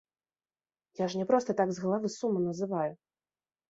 Я ж не проста так з галавы суму называю.